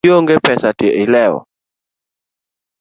Kionge pesa to ilewo